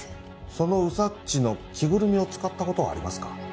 そのウサっチの着ぐるみを使った事はありますか？